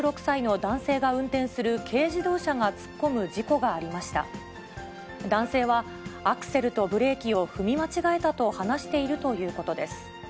男性はアクセルとブレーキを踏み間違えたと話しているということ